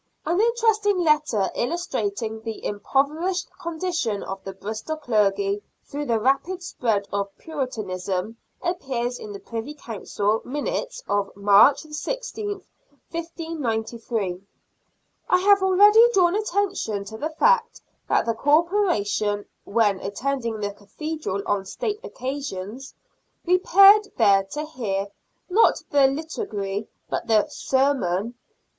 An interesting letter, illustrating the impoverished condition of the Bristol clergy through the rapid spread of Puritanism, appears in the Privy Council minutes of March i6th, 1593. I have already drawn attention to the fact that the Corporation, when attending the Cathedral on State occasions, repaired there to hear, not the liturgy, but the " sermon."